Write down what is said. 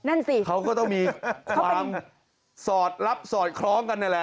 นั่นสิเขาก็ต้องมีความสอดลับสอดคล้องกันนี่แหละ